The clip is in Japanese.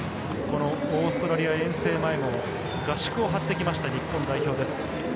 オーストラリア遠征前も合宿を張ってきました日本代表です。